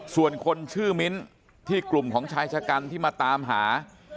ส่วนคนชื่อมิ้นที่กลุ่มของชายชะกันที่มาตามหา